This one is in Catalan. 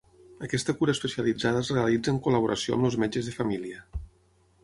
Aquesta cura especialitzada es realitza en col·laboració amb els metges de família.